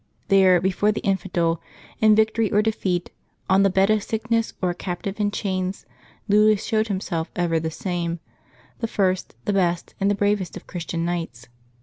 There, before the infidel, in victory or defeat, on the bed of sickness or a captive in chains, Louis showed himself ever the same, — the first, the best, and the bravest of Christian knights.